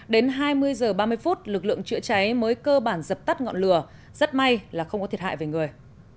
đến hai mươi h ba mươi phút lực lượng chữa cháy mới cơ bản dập tắt ngọn lửa rất may là không có thiệt hại về người